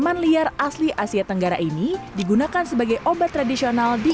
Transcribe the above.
enggak sih enggak usah ini secukupnya aja sih kak